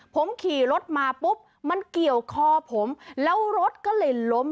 ผมขี่รถมาปุ๊บมันเกี่ยวคอผมแล้วรถก็เลยล้ม